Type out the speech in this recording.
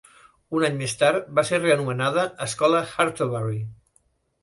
Un any més tard, va ser reanomenada "Escola Hartlebury".